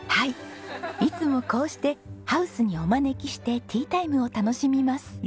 いつもこうしてハウスにお招きしてティータイムを楽しみます。